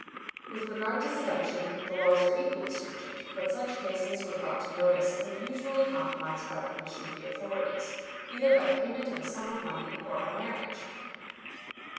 With regard to seduction, the laws are equally stringent; but such cases, when brought to notice, are usually compromised by permission of the authorities, either by payment of a sum of money, or by marriage.